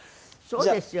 そうですよ。